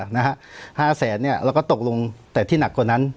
อะนะฮะห้าแสนเนี้ยแล้วก็ตกลงแต่ที่หนักกว่านั้น